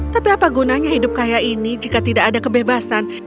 tapi apa gunanya hidup kaya ini jika tidak ada kebebasan